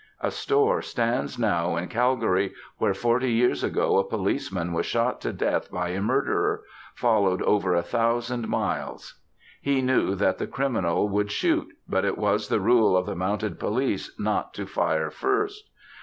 A store stands now in Calgary where forty years ago a policeman was shot to death by a murderer, followed over a thousand miles. He knew that the criminal would shoot; but it was the rule of the Mounted Police not to fire first.